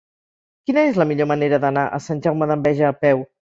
Quina és la millor manera d'anar a Sant Jaume d'Enveja a peu?